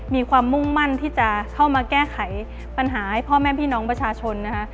มีความมุ่งมั่นที่จะเข้ามาแก้ไขปัญหาให้พ่อแม่พี่น้องประชาชนนะคะ